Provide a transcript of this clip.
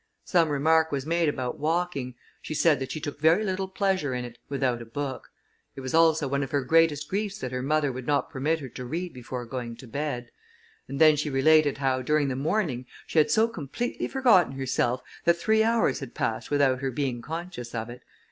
Some remark was made about walking: she said that she took very little pleasure in it, without a book: it was also one of her greatest griefs that her mother would not permit her to read before going to bed; and then she related how, during the morning, she had so completely forgotten herself, that three hours had passed without her being conscious of it.